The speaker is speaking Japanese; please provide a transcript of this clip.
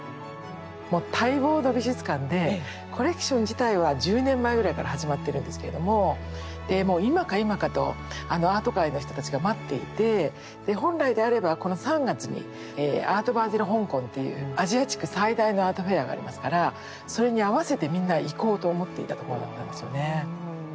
もう待望の美術館でコレクション自体は１０年前ぐらいから始まってるんですけれどもでもう今か今かとアート界の人たちが待っていてで本来であればこの３月に「アート・バーゼル香港」っていうアジア地区最大のアートフェアがありますからそれに合わせてみんな行こうと思っていたところだったんですよね。